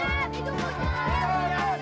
itu bu jal